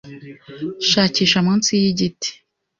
Shakisha munsi yigiti